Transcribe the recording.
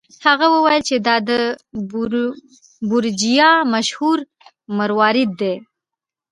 هغه وویل چې دا د بورجیا مشهور مروارید دی.